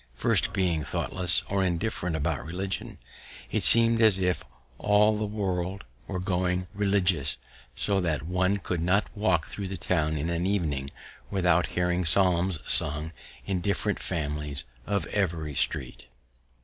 From being thoughtless or indifferent about religion, it seem'd as if all the world were growing religious, so that one could not walk thro' the town in an evening without hearing psalms sung in different families of every street.